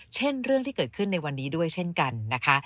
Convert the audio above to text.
เช่นเรื่องที่เกิดขึ้นในวันนี้ด้วยเช่นกันนะคะ